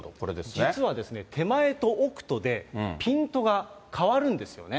実はですね、手前と奥とで、ピントが変わるんですよね。